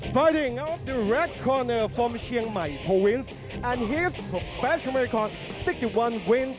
ที่๔กล้องเชียงดาวอสนิทพันธ์